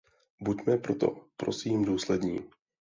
Buďme proto prosím důslední.